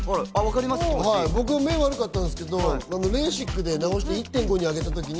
僕、目が悪かったんですけど、レーシックで直して１．５に上げたときに。